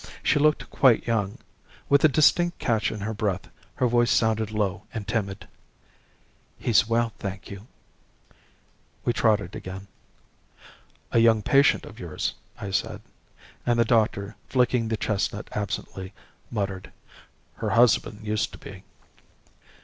She looked quite young. With a distinct catch in her breath, her voice sounded low and timid. "He's well, thank you." We trotted again. "A young patient of yours," I said; and the doctor, flicking the chestnut absently, muttered, "Her husband used to be."